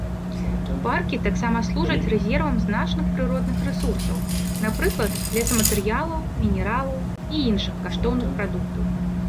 Паркі таксама служаць рэзервам значных прыродных рэсурсаў, напрыклад лесаматэрыялаў, мінералаў і іншых каштоўных прадуктаў.